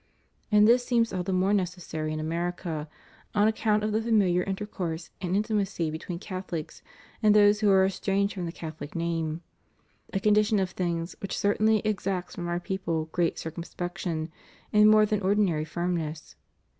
And this seems all the more necessary in America, on account of the familiar intercourse and in timacy between Catholics and those who are estranged from the Catholic name, a condition of things which certainly exacts from our people great circumspection and more than ordinary firmness.